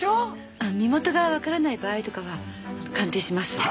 身元がわからない場合とかは鑑定します。